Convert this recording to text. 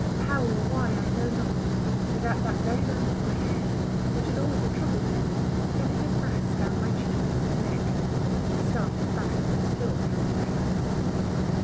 How or why, I know not, but at that very moment my hair, which is always a trouble to me, fell in a mass down my cheeks and neck. He started back, but still held my hands.